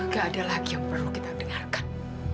gak ada lagi yang perlu kita dengarkan